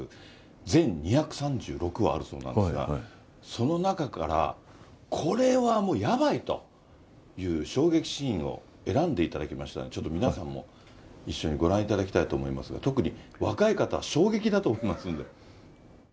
全２３６話あるそうなんですが、その中から、これはもうやばいという、衝撃シーンを選んでいただきましたので、ちょっと皆さんも一緒にご覧いただきたいと思いますが、特に若い方、衝撃だと思いますんで。